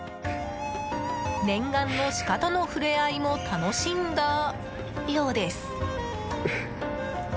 念願のシカとの触れ合いも楽しんだようです。